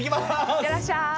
行ってらっしゃい！